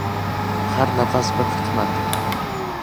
Har nafas bir hikmat.